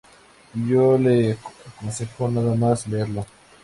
Y yo le aconsejo nada más leerlo.